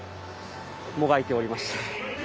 もがいておりました。